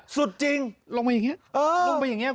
สุดจริงลงไปอย่างนี้ลงไปอย่างนี้